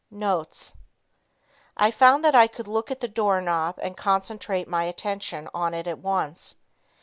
Notes. "I found that I could look at the door knob and concentrate my attention on it at once.